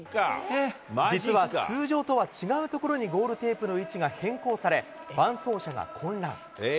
実は通常とは違う所にゴールテープの位置が変更され、伴走者が混乱。